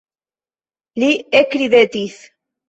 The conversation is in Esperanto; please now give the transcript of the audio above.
Li ekridetis.